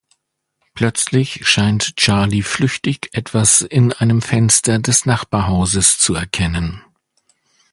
Plötzlich scheint Charly flüchtig etwas in einem Fenster des Nachbarhauses zu erkennen.